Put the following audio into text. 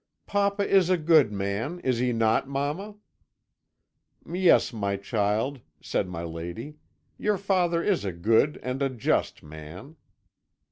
Papa is a good man, is he not, mamma?' "'Yes, my child,' said my lady, 'your father is a good and a just man.'